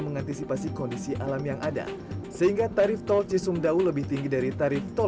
mengantisipasi kondisi alam yang ada sehingga tarif tol cisumdawu lebih tinggi dari tarif tol